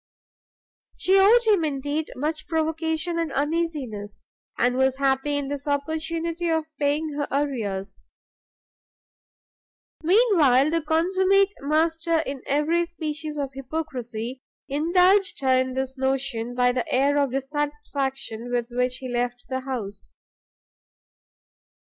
She owed him, indeed, much provocation and uneasiness, and was happy in this opportunity of paying her arrears. Mean while that consummate master in every species of hypocrisy, indulged her in this notion, by the air of dissatisfaction with which he left the house.